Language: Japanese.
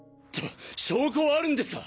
証拠はあるんですか！？